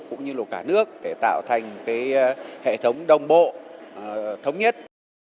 cũng như cả nước để tạo thành hệ thống đồng bộ thống nhất